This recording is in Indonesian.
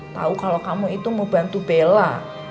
tahu kalau kamu itu mau bantu bella